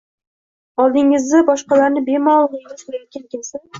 Oldingizda boshqalarni bemalol g‘iybat qilayotgan kimsa